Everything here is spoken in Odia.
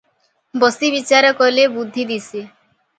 ବସି ବିଚାର କଲେ ବୁଦ୍ଧି ଦିଶେ ।